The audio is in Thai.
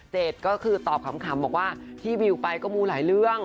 ก็คือตอบขำบอกว่าที่วิวไปก็มูหลายเรื่อง